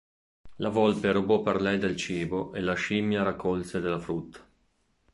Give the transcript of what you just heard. La volpe rubò per lei del cibo e la scimmia raccolse della frutta.